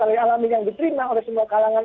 tali alamin yang diterima oleh semua kalangan